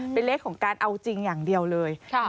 เป็นเลขของการเอาจริงอย่างเดียวเลย